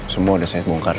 semua udah saya bongkar